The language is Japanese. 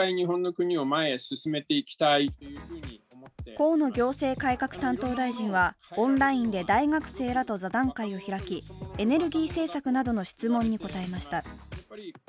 河野行政改革担当大臣はオンラインで大学生らと座談会を開き、エネルギー政策などの質問などに答えました。